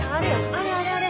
あれあれあれ！